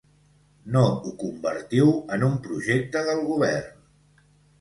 No ho convertiu en un projecte del govern!